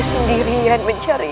dia sendirian mencari